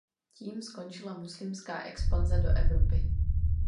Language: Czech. Tím skončila muslimská expanze do Evropy.